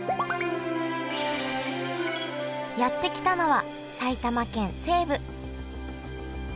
やって来たのは埼玉県西部。